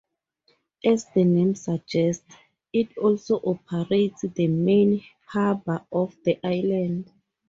As the name suggests, it also operates the main harbour of the island.